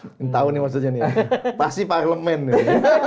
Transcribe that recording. oke ini tahu nih maksudnya nih pasti parlemen nih